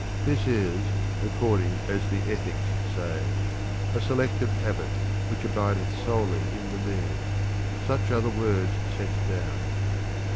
This is (according as the Ethics say), ' a selective habit, which abideth solely in the mean'; such are the words set down.